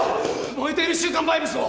燃えている週刊バイブスを！